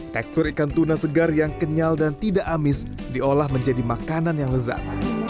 tekstur ikan tuna segar yang kenyal dan tidak amis diolah menjadi makanan yang lezat